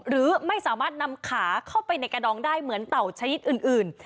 หรือไม่สามารถนำขาเข้าไปในกระดองได้เหมือนเต่าชนิดอื่น